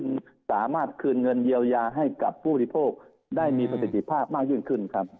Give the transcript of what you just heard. คุณสามารถคืนเงินเยียวยาให้กับผู้บริโภคได้มีประสิทธิภาพมากยิ่งขึ้นครับ